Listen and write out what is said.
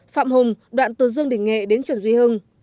phạm hùng đoạn từ dương đình nghệ đến trần duy hưng